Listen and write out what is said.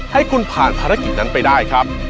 ให้คุณผ่านภารกิจนั้นไปได้ครับ